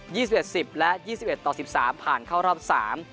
สิบเอ็ดสิบและยี่สิบเอ็ดต่อสิบสามผ่านเข้ารอบสาม